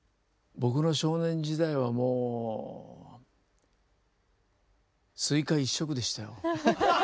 僕の少年時代はもうスイカ一色でしたよ。